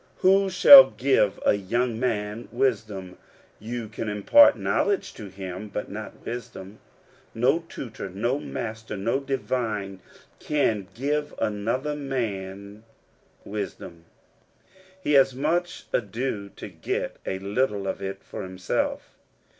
Who shall give a^young man wisdom ? You can impart knowledge to him, but not wisdom. No tutor, no master, no divine, can give another man wisdom : he has much ado to get a little of it for himself.